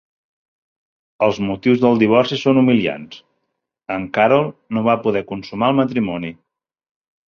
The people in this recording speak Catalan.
Els motius del divorci són humiliants: en Karol no va poder consumar el matrimoni.